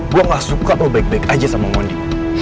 gue gak suka lo baik baik aja sama moni